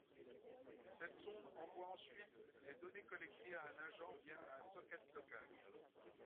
Cette sonde envoie ensuite les données collectées à un agent via un socket local